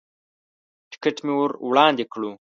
ټکټ مې ور وړاندې کړو.